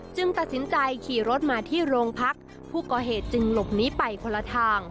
ตัดสินใจขี่รถมาที่โรงพักผู้ก่อเหตุจึงหลบหนีไปคนละทาง